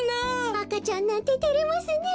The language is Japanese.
あかちゃんなんててれますねえ。